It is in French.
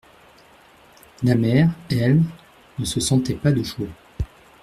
La mère, elle, ne se sentait pas de joie.